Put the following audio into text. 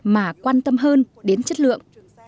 mà quan tâm hơn đến chất lượng